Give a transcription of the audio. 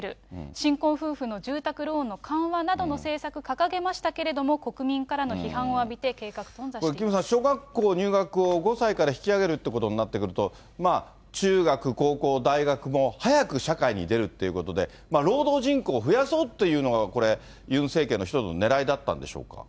新婚夫婦の住宅ローンの緩和などの政策を掲げましたけれども、国民からの批判を浴びて、キムさん、小学校入学を５歳から引き上げるってことになってくると、中学、高校、大学も早く社会に出るっていうことで、労働人口を増やそうっていうのが、これ、ユン政権の一つのねらいだったんでしょうか。